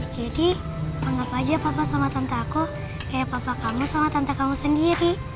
jadi anggap aja papa sama tante aku kayak papa kamu sama tante kamu sendiri